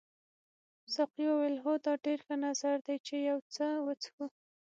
ساقي وویل هو دا ډېر ښه نظر دی چې یو څه وڅښو.